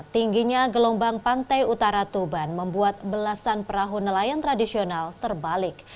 tingginya gelombang pantai utara tuban membuat belasan perahu nelayan tradisional terbalik